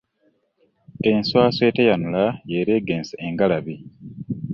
Enswaswa eteyanula y'eraga engalabi .